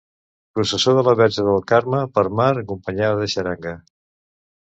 Processó de la Verge del Carme per mar, acompanyada de xaranga.